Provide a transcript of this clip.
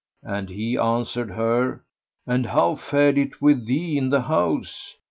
and he answered her, "And how fared it with thee in the house?"